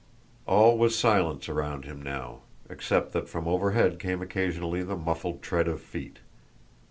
All was silence around him now, except that from overhead came occasionally the muffled tread of feet.